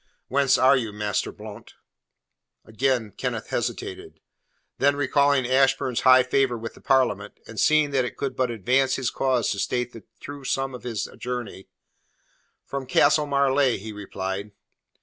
"Whence are you, Master Blount?" Again Kenneth hesitated. Then recalling Ashburn's high favour with the Parliament, and seeing that it could but advance his cause to state the true sum of his journey: "From Castle Marleigh," he replied.